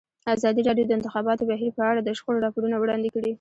ازادي راډیو د د انتخاباتو بهیر په اړه د شخړو راپورونه وړاندې کړي.